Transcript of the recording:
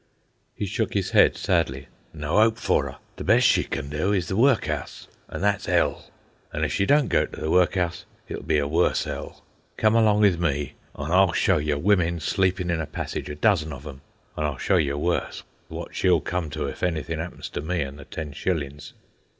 He shook his head sadly. "No 'ope for 'er. The best she cawn do is the work'ouse, an' that's 'ell. An' if she don't go to the work'ouse, it'll be a worse 'ell. Come along 'ith me an' I'll show you women sleepin' in a passage, a dozen of 'em. An' I'll show you worse, wot she'll come to if anythin' 'appens to me and the ten shillings."